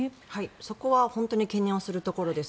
そこは本当に懸念するところです。